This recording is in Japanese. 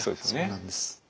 そうなんです。